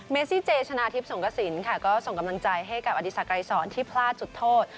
ซี่เจชนะทิพย์สงกระสินค่ะก็ส่งกำลังใจให้กับอดีศักดายสอนที่พลาดจุดโทษ